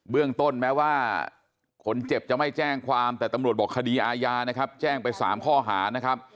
เรื่องต้นแม้ว่าคนเจ็บจะไม่แจ้งความแต่ตำรวจบอกคดีอาญานะครับแจ้งไป๓ข้อหานะครับ